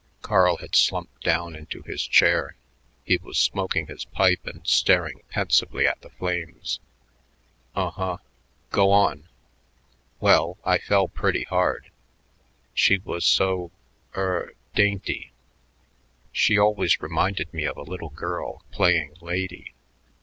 Carl had slumped down into his chair. He was smoking his pipe and staring pensively at the flames. "Un huh. Go on." "Well, I fell pretty hard. She was so er, dainty. She always reminded me of a little girl playing lady.